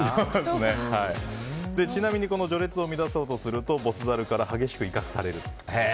ちなみに序列を乱そうとするとボスザルから威嚇される。